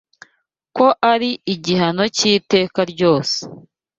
ko ari igihano cy’iteka ryose